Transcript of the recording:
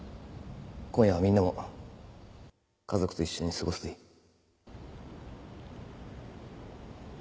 今夜はみんなも家族と一緒に過ごすといい